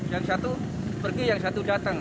yang satu pergi yang satu datang